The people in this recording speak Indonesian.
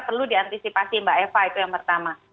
perlu diantisipasi mbak eva itu yang pertama